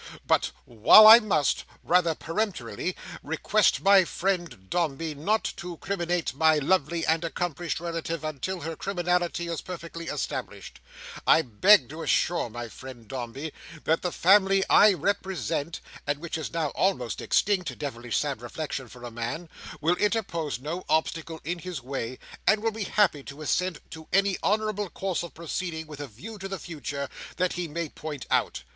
But while I must, rather peremptorily, request my friend Dombey not to criminate my lovely and accomplished relative until her criminality is perfectly established, I beg to assure my friend Dombey that the family I represent, and which is now almost extinct (devilish sad reflection for a man), will interpose no obstacle in his way, and will be happy to assent to any honourable course of proceeding, with a view to the future, that he may point out.